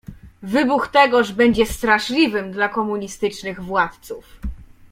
"Wybuch tegoż będzie straszliwym dla komunistycznych władców."